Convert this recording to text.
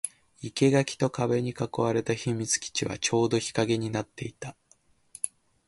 生垣と壁に囲われた秘密基地はちょうど日陰になっていた